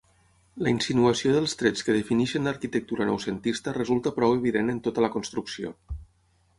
La insinuació dels trets que defineixen l'arquitectura noucentista resulta prou evident en tota la construcció.